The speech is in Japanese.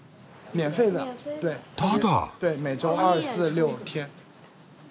ただ？